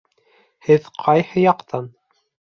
Һеҙ ҡайһы яҡтан?